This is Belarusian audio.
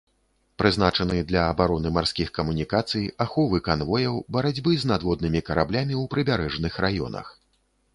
Прызначаны для абароны марскіх камунікацый, аховы канвояў, барацьбы з надводнымі караблямі ў прыбярэжных раёнах.